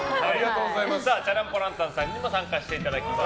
チャラン・ポ・ランタンさんにも参加していただきます。